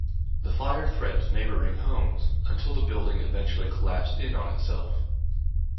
The fire threatened neighboring homes until the building eventually collapsed in on itself.